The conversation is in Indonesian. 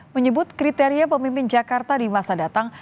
menyebut kriteria pemimpin jakarta di masa datang